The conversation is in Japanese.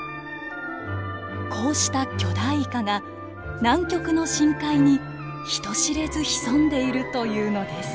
こうした巨大イカが南極の深海に人知れず潜んでいるというのです。